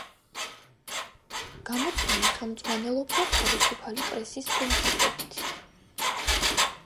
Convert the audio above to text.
გამოცემა ხელმძღვანელობდა თავისუფალი პრესის პრინციპებით.